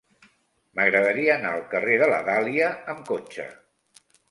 M'agradaria anar al carrer de la Dàlia amb cotxe.